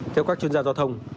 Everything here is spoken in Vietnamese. theo các chuyên gia giao thông